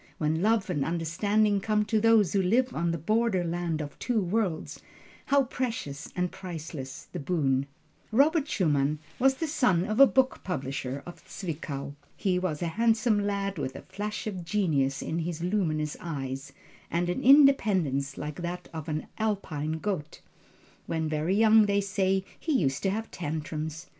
When love and understanding come to those who live on the border land of two worlds, how precious and priceless the boon! Robert Schumann was the son of a book publisher of Zwickau. He was a handsome lad with the flash of genius in his luminous eyes, and an independence like that of an Alpine goat. When very young they say he used to have tantrums.